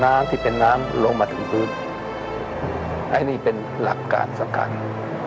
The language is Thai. น้ำที่เป็นน้ำลงมาถึงพื้นอันนี้เป็นหลักการสกัด